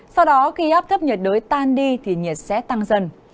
sau đó khi áp thấp nhiệt đới tan đi thì nhiệt sẽ tăng dần